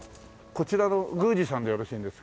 こちらの宮司さんでよろしいんですか？